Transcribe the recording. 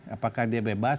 apakah dia bebas